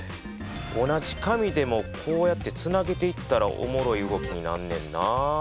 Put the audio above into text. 同じ紙でもこうやってつなげていったらおもろい動きになんねんな。